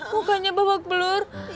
mukanya babak belur